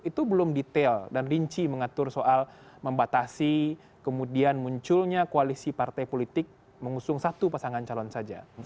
itu belum detail dan rinci mengatur soal membatasi kemudian munculnya koalisi partai politik mengusung satu pasangan calon saja